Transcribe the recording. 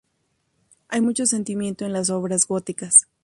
Hay mucho sentimiento en las obras góticas.